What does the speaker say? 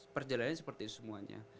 perjalanan seperti itu semuanya